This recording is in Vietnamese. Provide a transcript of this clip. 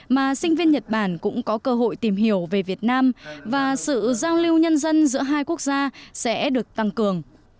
mà sinh viên nhật bản cũng có cơ hội tìm hiểu về việt nam và sự giao lưu nhân dân giữa hai quốc gia sẽ được tăng cường